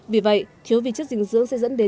vì vậy thiếu vị chất dinh dưỡng sẽ dẫn đến